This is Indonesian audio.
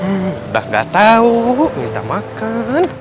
udah enggak tahu minta makan